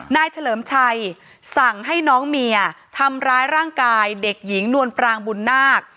เฉลิมชัยสั่งให้น้องเมียทำร้ายร่างกายเด็กหญิงนวลปรางบุญนาค